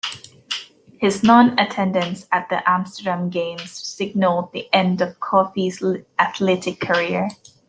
His non-attendance at the Amsterdam games signaled the end of Coaffee's athletic career.